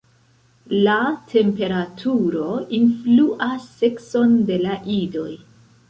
La temperaturo influas sekson de la idoj.